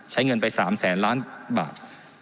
ใช้เงินไป๓๐๐๐๐๐ล้านบาท